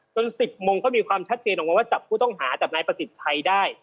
๑๐โมงก็มีความชัดเจนออกมาว่าจับผู้ต้องหาจับนายประสิทธิ์ชัยได้